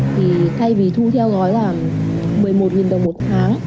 thì thay vì thu theo gói là một mươi một đồng một tháng